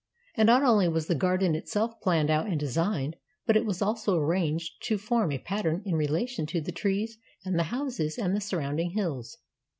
And not only was the garden itself planned out and designed, but it was also arranged to form a pattern in relation to the trees and the houses and the surrounding hills.